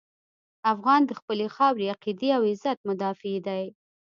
افغان د خپلې خاورې، عقیدې او عزت مدافع دی.